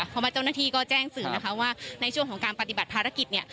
เพราะว่าเจ้าหน้าที่ก็แจ้งสื่อนะคะว่าในช่วงของการปฏิบัติภารกิจเนี่ย